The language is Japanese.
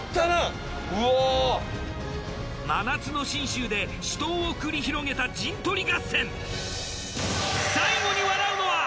真夏の信州で死闘を繰り広げた陣取り合戦。